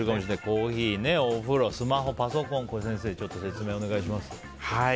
コーヒー、お風呂スマホ、パソコン先生、説明お願いします。